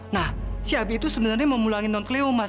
nah si abi itu sebenarnya memulangin non cleo mas